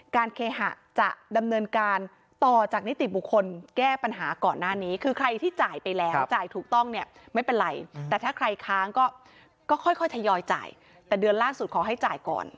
เคหะจะดำเนินการต่อจากนิติบุคคลแก้ปัญหาก่อนหน้านี้คือใครที่จ่ายไปแล้วจ่ายถูกต้องเนี่ยไม่เป็นไรแต่ถ้าใครค้างก็ค่อยทยอยจ่ายแต่เดือนล่าสุดขอให้จ่ายก่อน